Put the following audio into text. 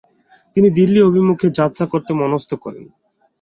তিনি দিল্লী অভিমুখে যাত্রা করতে মনস্থ করেন।